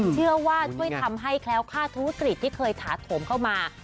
เชื่อว่าช่วยทำให้แคล้วค่าธุรกิจที่เคยถาโถมเข้ามา